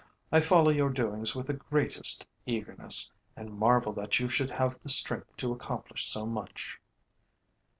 "I follow your doings with the greatest eagerness, and marvel that you should have the strength to accomplish so much."